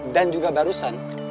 dan juga barusan